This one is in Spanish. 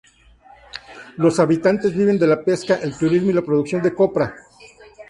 Los habitantes viven de la pesca, el turismo y la producción de Copra.